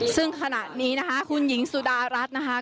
ซึ่งขณะนี้นะคะคุณหญิงสุดารัฐนะคะ